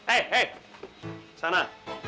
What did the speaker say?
eh eh sana